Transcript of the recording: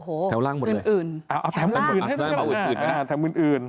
โอ้โหแถวล่างบนเลยแถวล่างตามบนด้วยแถวอื่น